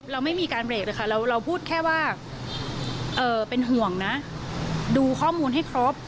เราไม่มีการเบรกเลยค่ะเราพูดแค่ว่าเป็นห่วงนะดูข้อมูลให้ครบ